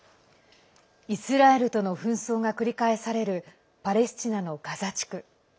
イスラエルとの紛争が繰り返されるパレスチナのガザ地区。